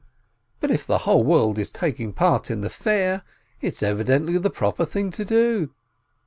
But if the whole world is taking part in the fair, it's evidently the proper thing to do